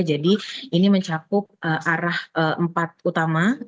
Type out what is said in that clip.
jadi ini mencapuk arah empat utama